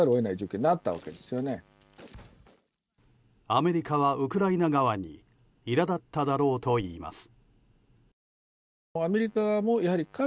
アメリカはウクライナ側に苛立っただろうといいます。